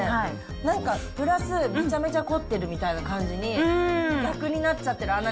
なんか、プラスめちゃめちゃ凝ってるみたいな感じに、逆になっちゃってる。